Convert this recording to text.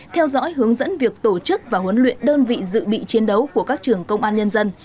theo dõi hướng dẫn việc tổ chức và huấn luyện đơn vị dự bị chiến đấu của các trường công an nhân dân